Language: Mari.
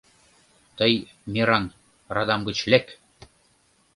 Тый, «мераҥ», радам гыч лек!»